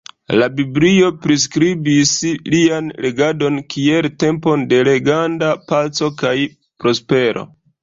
La biblio priskribas lian regadon kiel tempon de legenda paco kaj prospero.